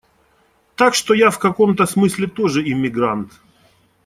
Так что я в каком-то смысле тоже иммигрант.